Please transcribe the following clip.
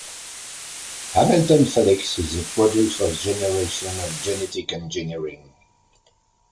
Hamilton Felix is the product of generations of genetic engineering.